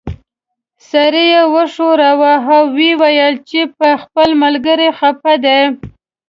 سر یې وښوراوه او یې وویل چې په خپل ملګري خپه دی.